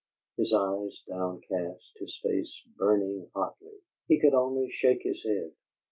His eyes downcast, his face burning hotly, he could only shake his head.